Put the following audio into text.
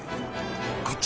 こっち。